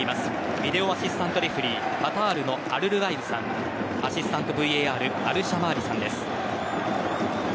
ビデオアシスタントレフェリーカタールのアルルアイルさんアシスタントＶＡＲアルシャマーリさんです。